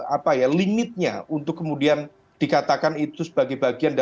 apa ya limitnya untuk kemudian dikatakan itu sebagai bagian dari